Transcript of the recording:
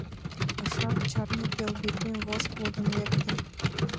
Ышак чарне, пел библийым вошт лудын лекте.